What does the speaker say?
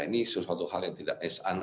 ini suatu hal yang tidak